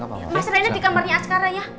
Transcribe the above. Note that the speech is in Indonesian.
mas rena di kamarnya askara ya